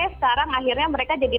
sekarang akhirnya mereka jadi